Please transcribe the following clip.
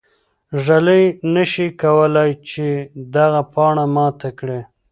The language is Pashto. ږلۍ نه شي کولای چې دغه پاڼه ماته کړي.